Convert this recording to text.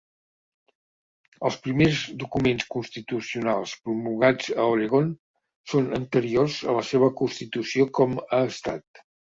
Els primers documents constitucionals promulgats a Oregon són anteriors a la seva constitució com a estat.